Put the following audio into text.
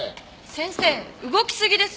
先生動きすぎです。